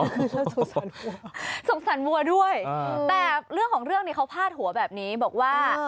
คือสงสารวัวสงสารวัวด้วยแต่เรื่องของเรื่องนี้เขาพาดหัวแบบนี้บอกว่า